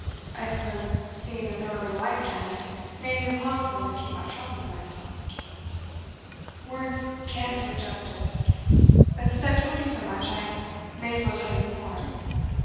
I suppose seeing a thoroughly white man made it impossible to keep my trouble to myself. Words can't do it justice; but since I've told you so much I may as well tell you more.